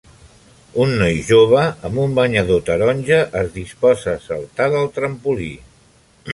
Un noi jove amb un banyador taronja es disposa a saltar del trampolí.